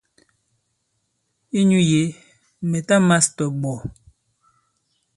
Inyū yě mɛ̀ ta mās tɔ̀ ìɓɔ̀.